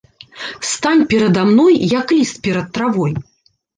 Стань перада мной, як ліст перад травой!